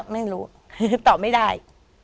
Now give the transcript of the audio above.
ไม่รู้คือตอบไม่ได้